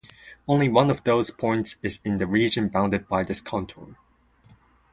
Only one of those points is in the region bounded by this contour.